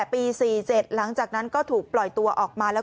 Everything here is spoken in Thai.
คุณผู้ชมฟังเสียงผู้หญิง๖ขวบโดนนะคะ